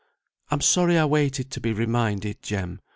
I'm sorry I waited to be reminded, Jem."